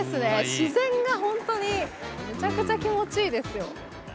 自然がホントにめちゃくちゃ気持ちいいですよ。